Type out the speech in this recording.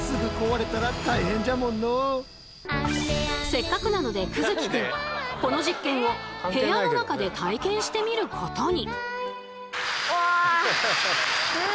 せっかくなので玖月くんこの実験を部屋の中で体験してみることに。